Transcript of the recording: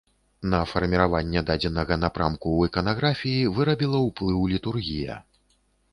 На фарміраванне дадзенага напрамку ў іканаграфіі вырабіла ўплыў літургія.